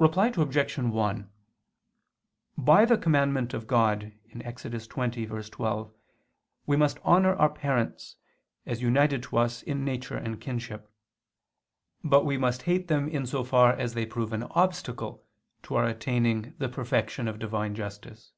Reply Obj. 1: By the commandment of God (Ex. 20:12) we must honor our parents as united to us in nature and kinship. But we must hate them in so far as they prove an obstacle to our attaining the perfection of Divine justice.